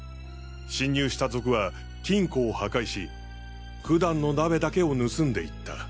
侵入した賊は金庫を破壊し件の鍋だけを盗んでいった。